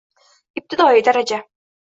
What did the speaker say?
ibtidoiy daraja